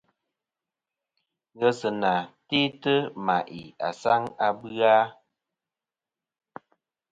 Ghesɨnà te'tɨ ma'i asaŋ a bɨ-a.